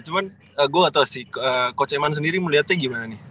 cuman gua gak tau sih coach eman sendiri melihatnya gimana nih